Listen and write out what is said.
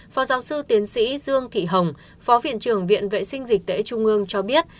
phó giáo sư tiến sĩ dương thị hồng phó viện trưởng viện vệ sinh dịch tễ trung ương cho biết